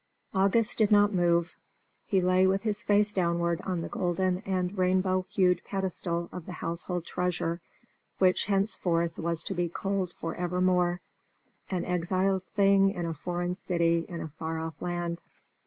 August did not move; he lay with his face downward on the golden and rainbow hued pedestal of the household treasure, which henceforth was to be cold for evermore, an exiled thing in a foreign city in a far off land.